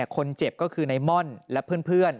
คนเจ็บก็คือในม่อนและเพื่อน